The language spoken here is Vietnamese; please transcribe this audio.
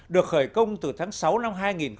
được khởi công từ tháng sáu năm hai nghìn chín